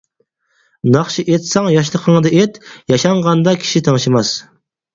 ناخشا ئېيتساڭ ياشلىقىڭدا ئېيت، ياشانغاندا كىشى تىڭشىماس.